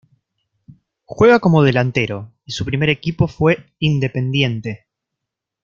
Juega como delantero y su primer equipo fue Independiente.